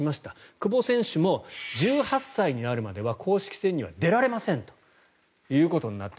久保選手も１８歳になるまでは公式戦には出られませんということになった。